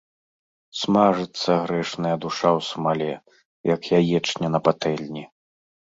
Смажыцца грэшная душа ў смале, як яечня на патэльні.